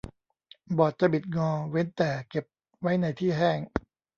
บอร์ดจะบิดงอเว้นแต่เก็บไว้ในที่แห้ง